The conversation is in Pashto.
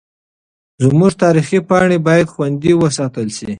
زموږ تاریخي پاڼې باید خوندي وساتل سي.